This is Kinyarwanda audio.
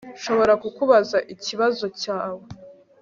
Nshobora kukubaza ikibazo cyawe